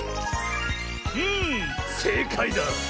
んせいかいだ！